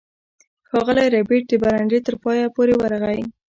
ښاغلی ربیټ د برنډې تر پایه پورې ورغی